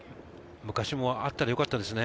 昔もあったらよかったですね。